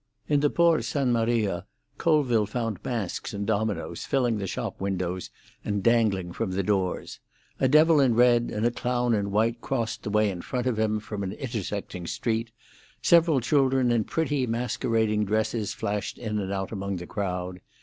In the Por San Maria Colville found masks and dominoes filling the shop windows and dangling from the doors. A devil in red and a clown in white crossed the way in front of him from an intersecting street; several children in pretty masquerading dresses flashed in and out among the crowd.